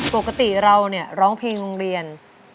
ปกติเราเนี่ยร้องเพลงโรงเรียน